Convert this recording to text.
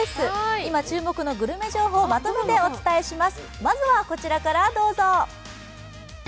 今注目のグルメ情報をまとめてお伝えします。